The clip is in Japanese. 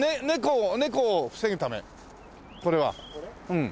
うん。